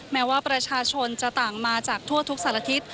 แม้ว่าประชาชนจะต่างมาจากทั่วทุกสารทิศ